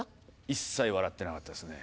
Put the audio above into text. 一切笑ってなかったですね